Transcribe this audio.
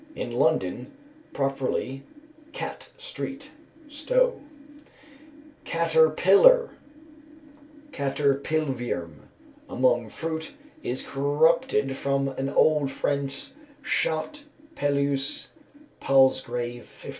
_ In London; properly "Catte Street" (STOW). Caterpillar. "Catyrpelwyrm among fruit" is corrupted from old French Chatte peleuse (PALSGRAVE, 1530).